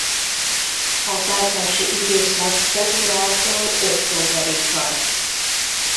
A párzási időszak februártól októberig tart.